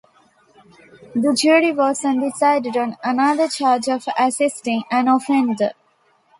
The jury was undecided on another charge of assisting an offender.